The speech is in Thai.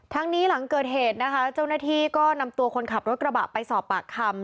นี้หลังเกิดเหตุนะคะเจ้าหน้าที่ก็นำตัวคนขับรถกระบะไปสอบปากคำ